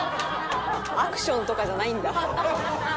アクションとかじゃないんだ。